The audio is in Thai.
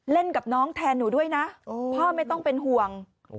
กับน้องแทนหนูด้วยนะพ่อไม่ต้องเป็นห่วง